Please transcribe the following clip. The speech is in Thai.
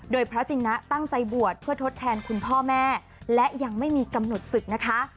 โดยพระจินะตั้งใจบวชเพื่อทดแทนคุณพ่อแม่และยังไม่มีกำหนดศึกนะคะ